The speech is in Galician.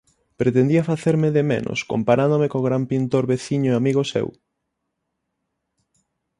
Pretendía facerme de menos, comparándome co gran pintor, veciño e amigo seu?